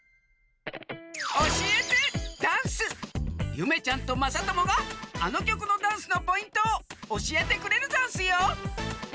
ゆめちゃんとまさともがあのきょくのダンスのポイントをおしえてくれるざんすよ！